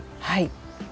はい。